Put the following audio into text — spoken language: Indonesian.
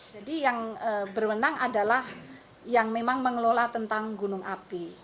jadi yang berwenang adalah yang memang mengelola tentang gunung api